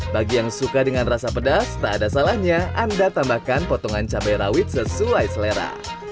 bagi yang suka dengan rasa pedas tak ada salahnya anda tambahkan potongan cabai rawit sesuai selera